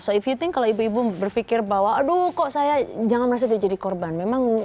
so if you think kalau ibu ibu berfikir bahwa aduh kok saya jangan merasa jadi korban